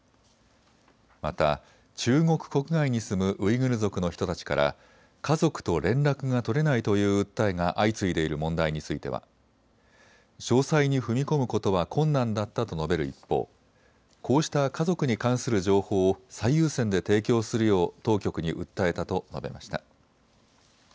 また中国国外に住むウイグル族の人たちから家族と連絡が取れないという訴えが相次いでいる問題については詳細に踏み込むことは困難だったと述べる一方、こうした家族に関する情報を最優先で提供するよう当局に訴えたと述べました。